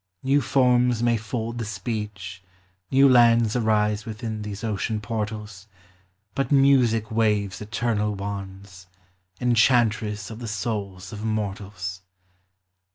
New forms may fold the speech, new lands Arise within these ocean portals, But Music waves eternal wands, — Enchantress of the souls of mortals